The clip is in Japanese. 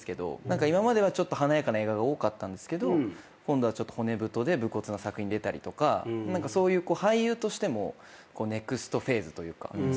今までは華やかな映画が多かったんですけど今度は骨太で武骨な作品に出たりとか何かそういう俳優としてもネクストフェーズというか。